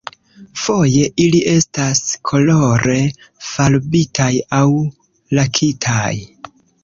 Foje ili estas kolore farbitaj aŭ lakitaj.